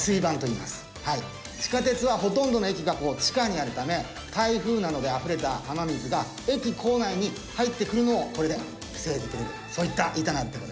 地下鉄はほとんどの駅が地下にあるため台風などであふれた雨水が駅構内に入ってくるのをこれで防いでくれるそういった板なんでございますね。